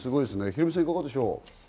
ヒロミさん、いかがですか？